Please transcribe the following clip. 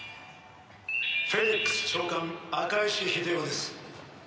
「フェニックス長官赤石英雄です」